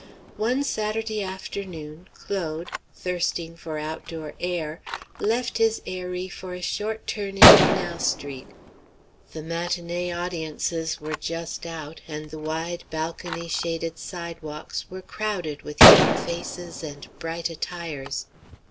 One Saturday afternoon Claude, thirsting for outdoor air, left his eyrie for a short turn in Canal Street. The matinée audiences were just out, and the wide balcony shaded sidewalks were crowded with young faces and bright attires.